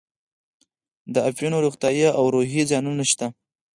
د اپینو روغتیایي او روحي زیانونه شته.